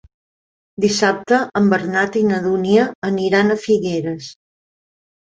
Dissabte en Bernat i na Dúnia aniran a Figueres.